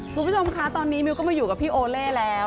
คุณผู้ชมคะตอนนี้มิวก็มาอยู่กับพี่โอเล่แล้ว